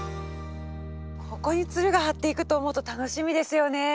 ここにつるがはっていくと思うと楽しみですよね。